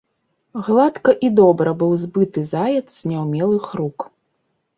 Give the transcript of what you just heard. Гладка і добра быў збыты заяц з няўмелых рук.